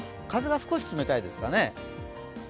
風が少し冷たいですかね。